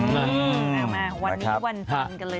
มาวันนี้วันจันทร์กันเลยนะครับ